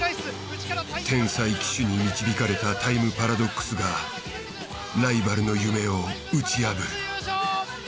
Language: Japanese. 天才騎手に導かれたタイムパラドックスがライバルの夢を打ち破る。